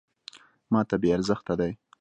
.ماته بې ارزښته دی .